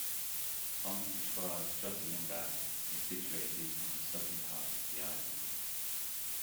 Omkareshwar Jyotirlinga is situated on the southern part of the island.